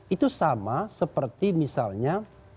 itu sama seperti misalnya